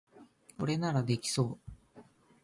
これならできそう